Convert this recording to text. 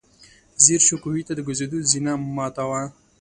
ځير شو، کوهي ته د کوزېدو زينه ماته وه.